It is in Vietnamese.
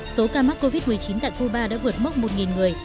số ca mắc covid một mươi chín tại cuba đã vượt mốc một người